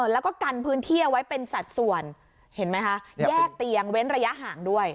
แล้วก็กันพื้นที่เอาไว้เป็นสัดส่วนเห็นไหมคะแยกเตียงเว้นระยะห่างด้วย